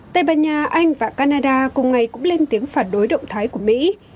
tây ban nha anh và canada cùng ngày cũng lên tiếng phản đối động thái của mỹ